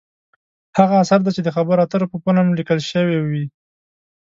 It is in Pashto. هغه اثر دی چې د خبرو اترو په فورم لیکل شوې وي.